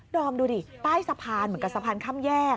อมดูดิใต้สะพานเหมือนกับสะพานข้ามแยก